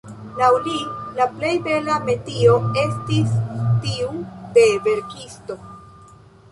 Laŭ li, «la plej bela metio estis tiu de verkisto».